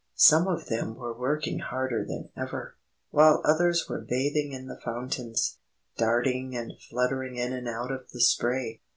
Some of them were working harder than ever, while others were bathing in the fountains, darting and fluttering in and out of the spray.